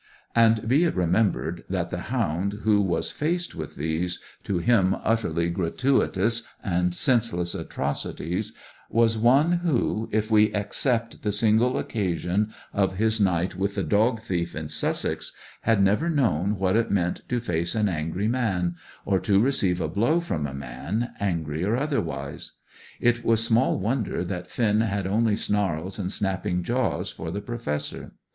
And, be it remembered, that the hound who was faced with these, to him, utterly gratuitous and senseless atrocities, was one who, if we except the single occasion of his night with the dog thief in Sussex, had never known what it meant to face an angry man, or to receive a blow from a man, angry or otherwise. It was small wonder that Finn had only snarls and snapping jaws for the Professor.